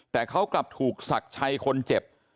แต่เขากลับถูกศักดิ์ชัยคนเจ็บ